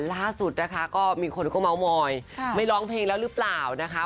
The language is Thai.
ล่าสุดนะคะก็มีคนก็เมาส์มอยไม่ร้องเพลงแล้วหรือเปล่านะคะ